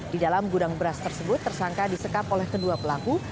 di dalam gudang beras tersebut tersangka disekap oleh kedua pelaku